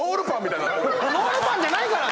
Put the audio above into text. ロールパンじゃないから！